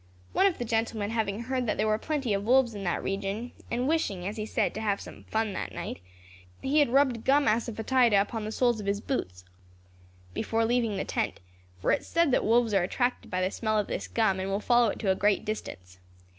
One of the gentlemen having heard that there were plenty of wolves in that region, and wishing, as he said, to have some fun that night, had rubbed gum assafoetida upon the soles of his boots, before leaving the tent for it is said that wolves are attracted by the smell of this gum, and will follow it to a great distance.